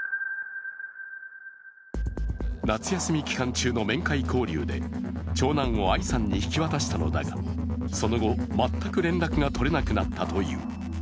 夏休み期間中の面会交流で長男を愛さんに引き渡したのだがその後、全く連絡が取れなくなったという。